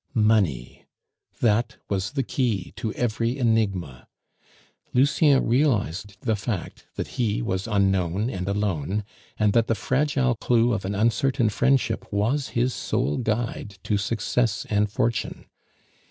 Money! That was the key to every enigma. Lucien realized the fact that he was unknown and alone, and that the fragile clue of an uncertain friendship was his sole guide to success and fortune.